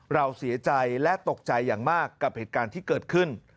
เราเสียใจและตกใจอย่างมากกับเหตุการณ์ที่เกิดขึ้น